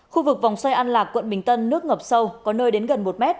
khu vực vòng xoay ăn lạc quận bình tân nước ngập sâu có nơi đến gần một m